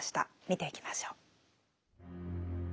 見ていきましょう。